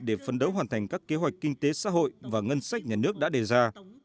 để phấn đấu hoàn thành các kế hoạch kinh tế xã hội và ngân sách nhà nước đã đề ra